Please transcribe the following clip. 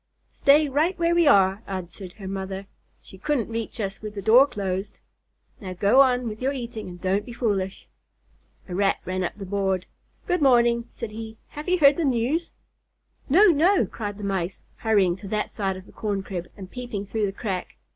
"Stay right where we are," answered her mother. "She couldn't reach us with the door closed. Now go on with your eating and don't be foolish." A Rat ran up the board. "Good morning," said he. "Have you heard the news?" "No, no!" cried the Mice, hurrying to that side of the corn crib, and peeping through the crack.